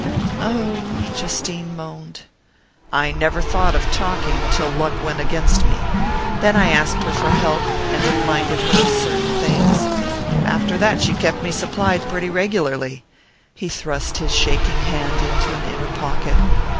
"Oh " Justine moaned. "I never thought of talking till luck went against me. Then I asked her for help and reminded her of certain things. After that she kept me supplied pretty regularly." He thrust his shaking hand into an inner pocket.